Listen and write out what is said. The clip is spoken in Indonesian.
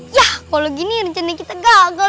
ya kalau gini rencana kita gagal